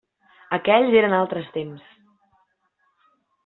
Aquells eren altres temps.